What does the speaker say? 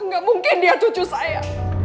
nggak mungkin dia cucu saya